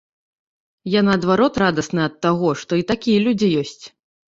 Я наадварот радасны ад таго, што і такія людзі ёсць.